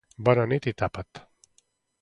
Bona nit i tapa't!